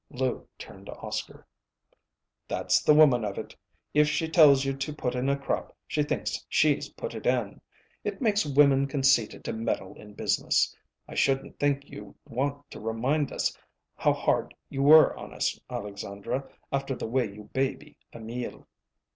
Lou turned to Oscar. "That's the woman of it; if she tells you to put in a crop, she thinks she's put it in. It makes women conceited to meddle in business. I shouldn't think you'd want to remind us how hard you were on us, Alexandra, after the way you baby Emil."